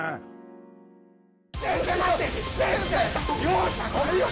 容赦ないよ。